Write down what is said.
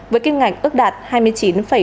với kim ngạch ước đạt hai mươi chín bốn tỷ usd